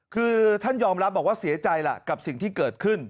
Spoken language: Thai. คือท่านยอมรับบอกว่าเสียใจล่ะกับสิ่งที่เกิดขึ้น